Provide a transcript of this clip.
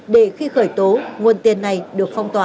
để khi khởi tố nguồn tiền này được phong tỏa